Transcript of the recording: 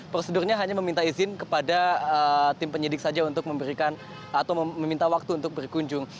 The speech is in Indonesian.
prosedurnya hanya meminta izin kepada tim penyidik saja untuk memberikan atau meminta waktu untuk berkunjung